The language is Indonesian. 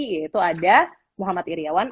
yaitu ada muhammad iryawan